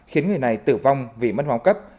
khiến người này tử vong vì mất máu cấp